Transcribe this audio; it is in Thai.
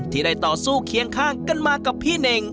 ที่ได้ต่อสู้เคียงข้างกันมากับพี่เน่ง